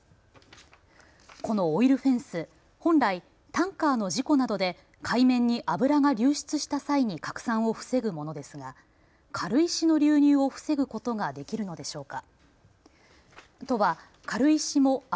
そのオイルフェンス、本来、タンカーの事故などで海面に油が流出した際に拡散を防ぐものですが軽石の流入を防ぐことができるのでしょうか。